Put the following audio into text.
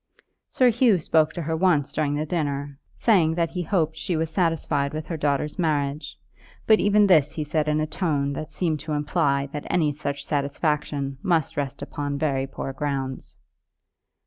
Sir Hugh spoke to her once during the dinner, saying that he hoped she was satisfied with her daughter's marriage; but even this he said in a tone that seemed to imply that any such satisfaction must rest on very poor grounds.